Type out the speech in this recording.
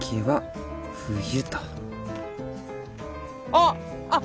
あっあっ